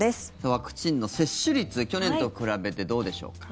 ワクチンの接種率去年と比べてどうでしょうか。